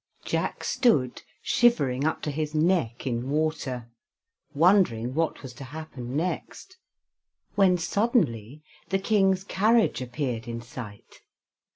Jack stood shivering up to his neck in water, wondering what was to happen next, when suddenly the King's carriage appeared in sight.